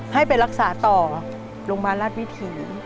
ให้ไปรักษาต่อโรงพยาบาลราชวิถี